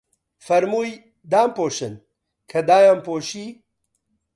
فەرمووی: دام پۆشن، کە دایان پۆشی